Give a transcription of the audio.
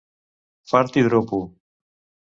Fart i dropo.